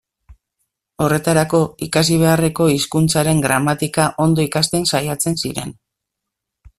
Horretarako ikasi beharreko hizkuntzaren gramatika ondo ikasten saiatzen ziren.